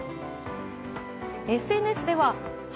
ＳＮＳでは「＃